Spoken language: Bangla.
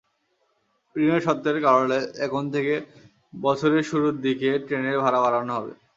ঋণের শর্তের কারণে এখন থেকে বছরের শুরুর দিকে ট্রেনের ভাড়া বাড়ানো হবে।